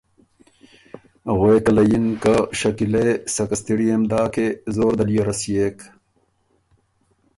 غوېکه له یِن که ”شکیلے! سکه ستِړيې م داکې زور دل يې رسيېک،